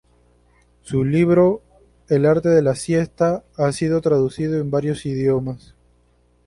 Su libro "El arte de la siesta" ha sido traducido en varios idiomas.